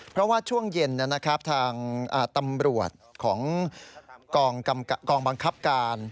เพราะว่าช่วงเย็นทางตำรวจของกองบังคับการ